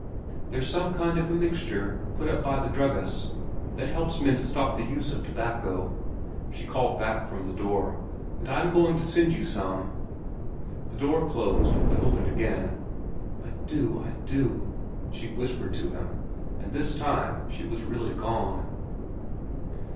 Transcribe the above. "There's some kind of a mixture, put up by the druggists, that helps men to stop the use of tobacco," she called back from the door, "and I am going to send you some." The door closed, but opened again. "I do, I do," she whispered to him; and this time she was really gone.